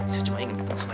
saya cuma ingin ketemu sama